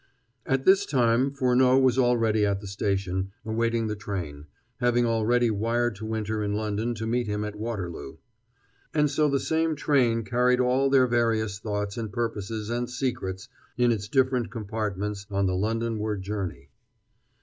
At this time Furneaux was already at the station, awaiting the train, having already wired to Winter in London to meet him at Waterloo. And so the same train carried all their various thoughts and purposes and secrets in its different compartments on the Londonward journey.